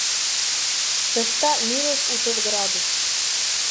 Тышта минус утыҙ градус!